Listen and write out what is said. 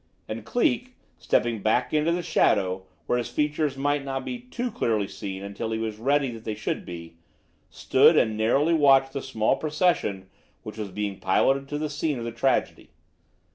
And Cleek, stepping back into the shadow, where his features might not be too clearly seen until he was ready that they should be, stood and narrowly watched the small procession which was being piloted to the scene of the tragedy.